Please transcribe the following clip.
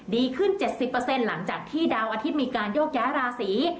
ดีขึ้น๗๐หลังจากที่ดาวอาทิตย์มีการโยกย้ายราศี